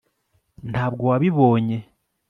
ntabwo wabibonye